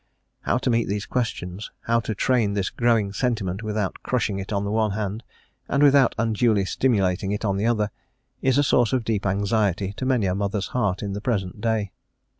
How to meet these questions, how to train this growing sentiment without crushing it on the one hand, and without unduly stimulating it on the other, is a source of deep anxiety to many a mother's heart in the present day.